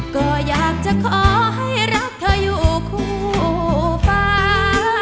ก็อยากจะขอให้รักเธออยู่คู่ฟ้า